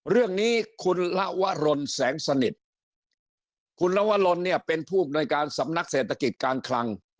เรื่องนี้คุณละวรนแสงสนิทคุณลวรนเนี่ยเป็นผู้อำนวยการสำนักเศรษฐกิจการคลัง